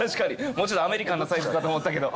もうちょっとアメリカンなサイズかと思ったけど。